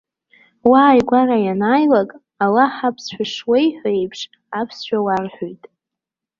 Уааигәара ианааилак, Аллаҳ аԥсшәа шуеиҳәо еиԥш аԥсшәа уарҳәоит.